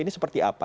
ini seperti apa